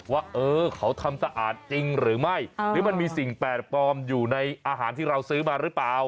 ว่าเออเขาทำสะอาดจริงหรือไม่หรือมันมีสิ่งแปลกปลอมอยู่ในอาหารที่เราซื้อมาหรือเปล่า